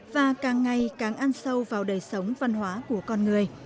và càng ngày càng ăn sâu vào đời sống văn hóa của con người